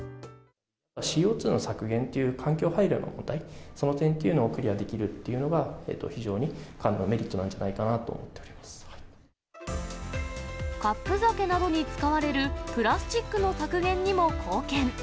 ＣＯ２の削減という環境配慮の問題、その点というのをクリアできるというのが、非常に缶のメリットなんじゃないかなと思ってカップ酒などに使われるプラスチックの削減にも貢献。